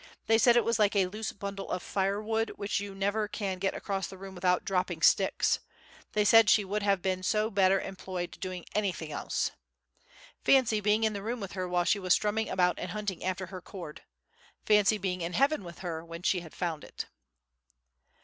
They said it was like a loose bundle of fire wood which you never can get across the room without dropping sticks; they said she would have been so much better employed doing anything else. Fancy being in the room with her while she was strumming about and hunting after her chord! Fancy being in heaven with her when she had found it!